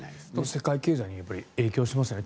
世界経済に影響しますよね